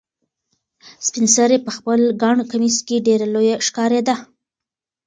سپین سرې په خپل ګڼ کمیس کې ډېره لویه ښکارېده.